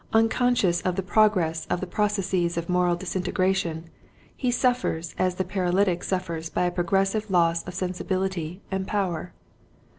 Un conscious of the progress of the processes of moral disintegration he suffers as the paralytic suffers by a progressive loss of sensibility and power.